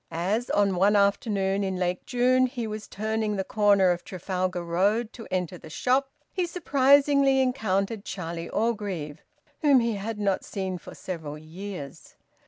As, on one afternoon in late June, he was turning the corner of Trafalgar Road to enter the shop, he surprisingly encountered Charlie Orgreave, whom he had not seen for several years.